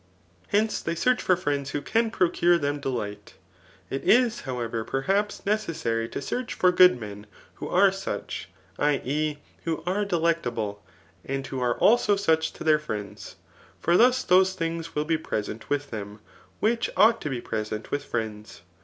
Hence, they seardi for friends who can procure them delight. It is, how* ever, perhaps necessary to search for good men who srt such, [I. e. who are delectable,] and who are also such to their friends ; for thus those things will be present with diem, which ought to be present with friends.